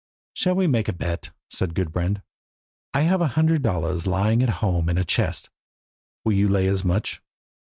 "Shall we make a bet?" said Gudbrand. "I have a hundred dollars lying at home in a chest, will you lay as much?"